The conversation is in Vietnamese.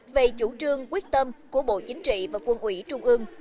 về chủ trương quyết tâm của bộ chính trị và quân ủy trung ương